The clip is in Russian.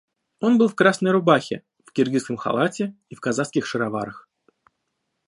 Он был в красной рубахе, в киргизском халате и в казацких шароварах.